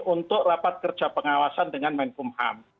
untuk rapat kerja pengawasan dengan menkumham